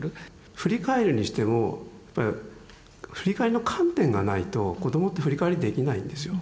振り返るにしてもやっぱり振り返りの観点がないと子どもって振り返りできないんですよ。